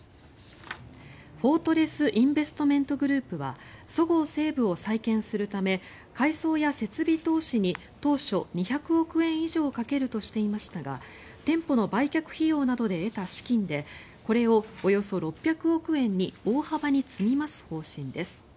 フォートレス・インベストメント・グループはそごう・西武を再建するため改装や設備投資に当初２００億円以上かけるとしていましたが店舗の売却費用などで得た資金でこれをおよそ６００億円に大幅に積み増す方針です。